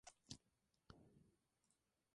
Editor e impresor.